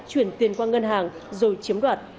chuyển tiền qua ngân hàng rồi chiếm đoạt